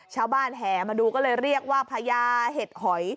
ชาวบ้านแท้มาดูก็เลยเรียกว่าพญาเห็ดหอย